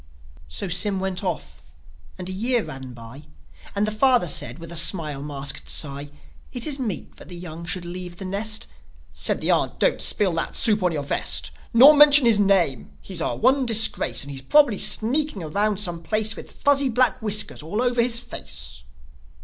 So Sym went off; and a year ran by, And the father said, with a smile masked sigh, "It is meet that the young should leave the nest." Said the aunt, "Don't spill that soup on your vest! Nor mention his name! He's our one disgrace! And he's probably sneaking around some place With fuzzy black whiskers all over his face."